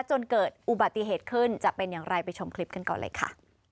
จนเกิดอุบัติเหตุขึ้นจะเป็นอย่างไรไปชมคลิปกันก่อนเลยค่ะ